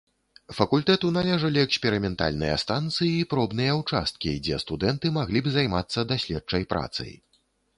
Факультэту належалі эксперыментальныя станцыі і пробныя ўчасткі, дзе студэнты маглі б займацца даследчай працай.